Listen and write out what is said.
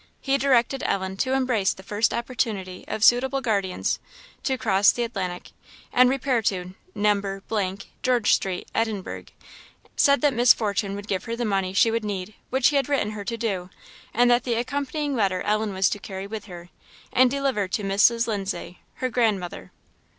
He directed Ellen to embrace the first opportunity of suitable guardians, to cross the Atlantic, and repair to No. , Georgestreet, Edinburgh; said that Miss Fortune would give her the money she would need, which he had written to her to do, and that the accompanying letter Ellen was to carry with her, and deliver to Mrs. Lindsay, her grandmother.